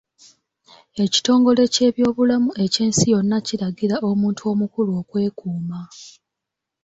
Ekitongole ky’ebyobulamu eky'ensi yonna kiragira omuntu omukulu okwekuuma.